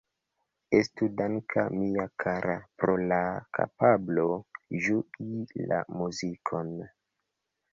Estu danka, mia kara, pro la kapablo ĝui la muzikon.